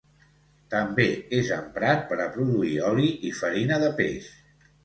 També és emprat per a produir oli i farina de peix.